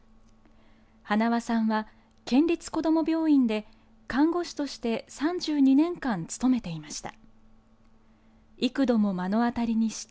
塙さんは、県立こども病院で看護師として３２年間勤めていました。